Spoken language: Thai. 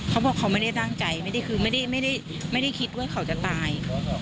เขาบอกเขาไม่ได้ตั้งใจคือไม่ได้คิดว่าเขาจะตาย